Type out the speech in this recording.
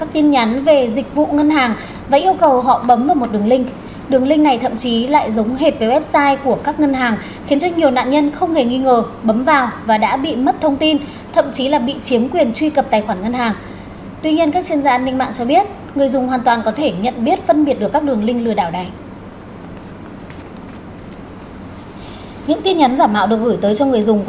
thời gian gần đây nhiều người dân phản ánh về việc họ nhận được các tin nhắn về dịch vụ ngân hàng và yêu cầu họ bấm vào một đường link